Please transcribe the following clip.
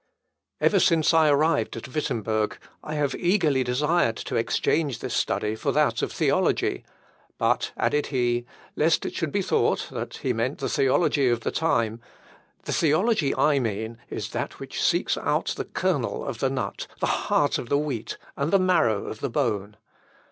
Ever since I arrived at Wittemberg, I have eagerly desired to exchange this study for that of theology: but," added he, lest it should be thought he meant the theology of the time, "the theology I mean is that which seeks out the kernel of the nut, the heart of the wheat, and the marrow of the bone.